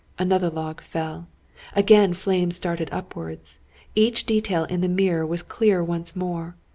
Another log fell. Again flames darted upwards. Each detail in the mirror was clear once more.